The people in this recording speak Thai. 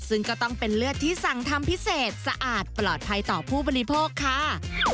ซึ่งก็ต้องเป็นเลือดที่สั่งทำพิเศษสะอาดปลอดภัยต่อผู้บริโภคค่ะ